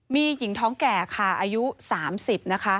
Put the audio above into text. มีหญิงท้องแก่ค่ะอายุ๓๐นะคะ